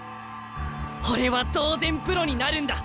俺は当然プロになるんだ。